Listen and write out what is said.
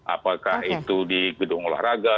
apakah itu di gedung olahraga